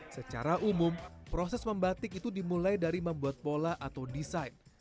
secara umum proses membatik itu dimulai dari membuat pola atau desain